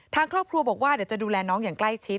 ทางครอบครัวบอกว่าเดี๋ยวจะดูแลน้องอย่างใกล้ชิด